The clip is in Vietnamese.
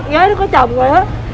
gái nó có chồng rồi á